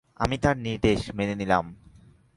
আমি তার নির্দেশ মেনে নিলাম।